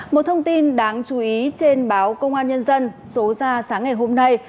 một thông tin đáng chú ý trên báo công an nhân dân số ra sáng ngày hôm nay